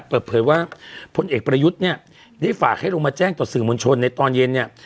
เปิดเผยว่าพลเอกประยุทธ์เนี่ยได้ฝากให้ลงมาแจ้งต่อสื่อมวลชนในตอนเย็นเนี่ย